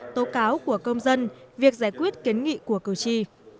tố cáo của công dân việc giải quyết kiến nghị của cử tri